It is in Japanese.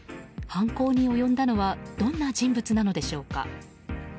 犯行に及んだのはどんな人物なのでしょうか。